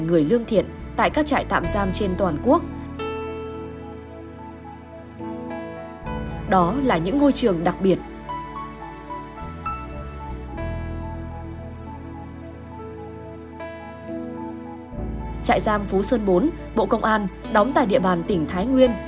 đó là trại giam phố sơn bốn bộ công an đóng tại địa bàn tỉnh thái nguyên